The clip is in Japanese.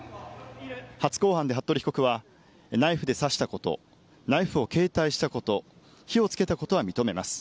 初公判で服部被告は、ナイフで刺したこと、ナイフを携帯したこと、火をつけたことは認めます。